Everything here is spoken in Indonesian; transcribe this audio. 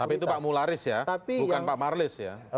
tapi itu pak mularis ya bukan pak marlis ya